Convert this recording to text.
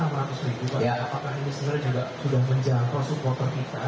apakah ini sebenarnya juga sudah menjangkau supporter kita